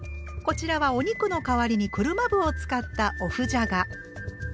こちらはお肉の代わりに車麩を使ったお麩じゃが。